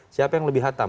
siapa yang lebih hatam